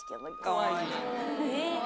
かわいい。